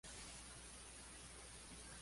Escribe algunas obras para la televisión alemana.